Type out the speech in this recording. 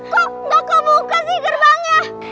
kok gak kebuka sih gerbangnya